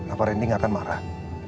apa rendy gak akan marah